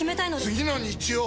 次の日曜！